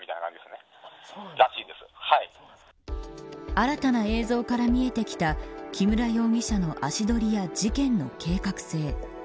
新たな映像から見えてきた木村容疑者の足取りや事件の計画性。